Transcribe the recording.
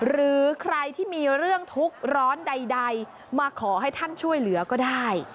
หรือใครที่มีเรื่องทุกข์ร้อนใดมาขอให้ท่านช่วยเหลือก็ได้